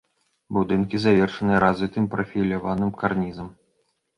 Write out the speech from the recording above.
Будынкі завершаныя развітым прафіляваным карнізам.